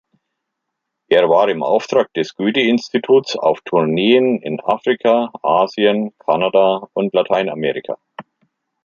Er war im Auftrag des Goethe-Instituts auf Tourneen in Afrika, Asien, Kanada und Lateinamerika.